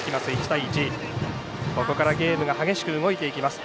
１対１、ここからゲームが激しく動いていきます。